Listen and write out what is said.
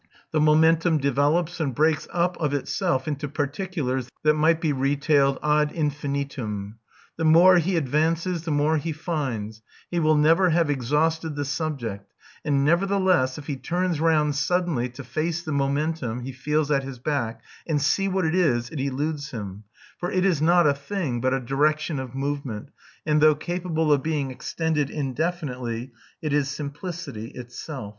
The momentum develops and breaks up of itself into particulars that might be retailed ad infinitum. The more he advances the more he finds; he will never have exhausted the subject; and nevertheless if he turns round suddenly to face the momentum he feels at his back and see what it is, it eludes him; for it is not a thing but a direction of movement, and though capable of being extended indefinitely, it is simplicity itself."